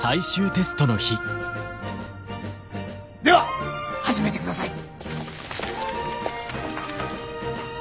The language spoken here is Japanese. では始めてください。